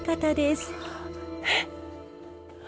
えっ？